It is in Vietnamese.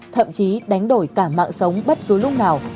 thậm chí đánh đổi cả mạng sống bất cứ lúc nào